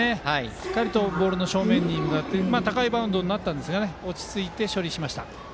しっかりボールの正面に向かって高いバウンドでしたが落ち着いて処理しました。